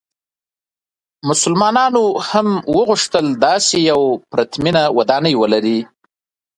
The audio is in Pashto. مسلمانانو هم وغوښتل داسې یوه پرتمینه ودانۍ ولري.